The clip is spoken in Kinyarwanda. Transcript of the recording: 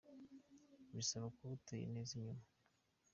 bisaba ko uba uteye neza inyuma:.